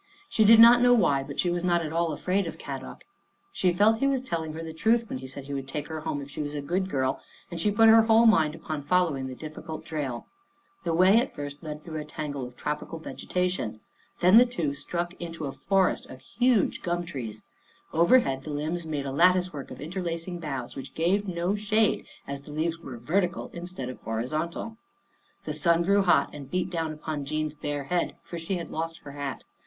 She did not know why, but she was not at all afraid of Kadok. She felt he was telling her the truth when he said he would take her home if she was a good girl, and she put her whole mind upon following the difficult trail. The way at first led through a tangle of tropical vegetation, then the two struck into a forest of huge gum 1 Crocodile. 82 Our Little Australian Cousin trees. Overhead the limbs made a lattice work of interlacing boughs which gave no shade, as the leaves were vertical instead of horizontal. The sun grew hot and beat down upon Jean's bare head, for she had lost her hat.